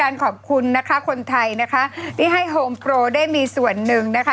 ขอบคุณนะคะคนไทยนะคะที่ให้โฮมโปรได้มีส่วนหนึ่งนะคะ